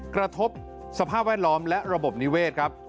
กระทบสภาพแวดล้อมและระบบนิเวศครับ